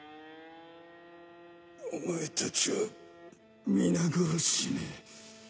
お前たちは皆殺しに。